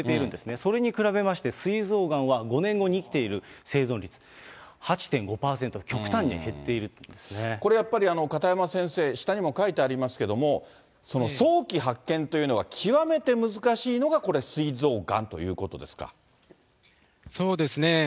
それに比べまして、すい臓がんは５年後に生きている生存率８．５％、極端に減っていこれやっぱり、片山先生、下にも書いてありますけれども、その早期発見というのが、極めて難しいのがこれ、すい臓がんといそうですね。